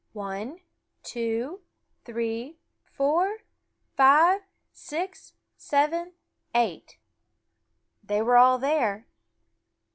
"One, two, three, four, five, six, seven, eight." They were all there.